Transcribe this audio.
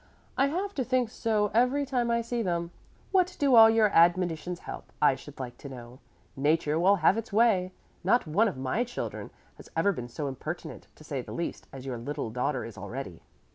"I have to think so every time I see them. What do all your admonitions help, I should like to know? Nature will have its way! Not one of my children has ever been so impertinent, to say the least, as your little daughter is already."